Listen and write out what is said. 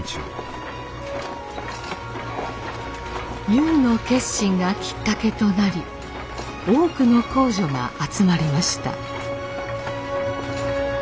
ゆうの決心がきっかけとなり多くの工女が集まりました。